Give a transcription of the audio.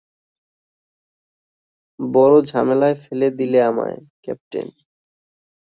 বড়ো ঝামেলায় ফেলে দিলে আমায়, ক্যাপ্টেন।